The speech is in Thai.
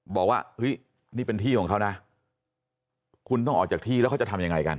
บอกว่าเฮ้ยนี่เป็นที่ของเขานะคุณต้องออกจากที่แล้วเขาจะทำยังไงกัน